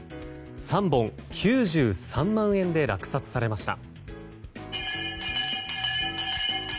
３本９３万円で落札されました。